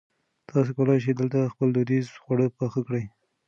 تاسي کولای شئ دلته خپل دودیز خواړه پخ کړي.